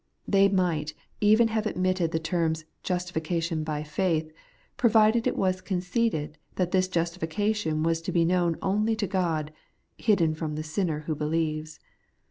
They might even have admitted the terms 'justification by faith,* pro vided it was conceded that this justification was to be' known only to God, hidden from the sinner who believes.